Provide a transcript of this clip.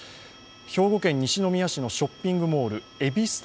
兵庫県西宮市のショッピングモール